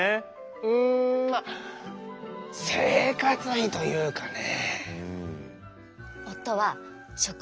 うんまあ生活費というかね。